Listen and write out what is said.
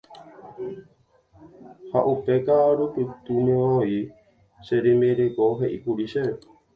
Ha upe ka'arupytũmemavoi che rembireko he'íkuri chéve.